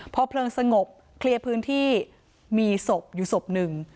พอเพลิงสงบเคลียร์พื้นที่มีศพอยู่ศพหนึ่ง